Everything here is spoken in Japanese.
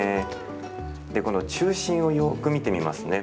で、この中心をよく見てみますね。